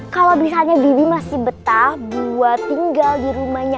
kalau misalnya bibi masih betah buat tinggal di rumahnya